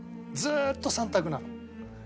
ずーっと３択なの。